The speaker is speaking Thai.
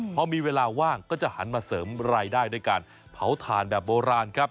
พอมีเวลาว่างก็จะหันมาเสริมรายได้ด้วยการเผาถ่านแบบโบราณครับ